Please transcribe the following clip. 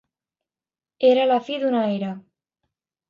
Era la fi d'una era.